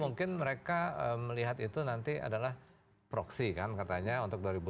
mungkin mereka melihat itu nanti adalah proxy kan katanya untuk dua ribu sembilan belas gitu